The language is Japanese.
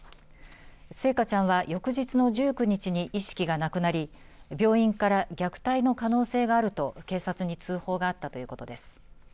星華ちゃんは翌日の１９日に意識がなくなり病院から虐待の可能性があると警察に通報があったということです。